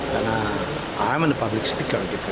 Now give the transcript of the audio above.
karena saya adalah speaker publik